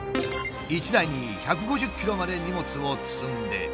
１台に１５０ｋｇまで荷物を積んで。